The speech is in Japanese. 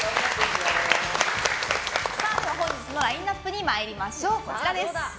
本日のラインアップに参りましょう。